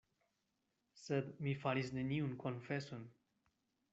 Sed mi faris neniun konfeson.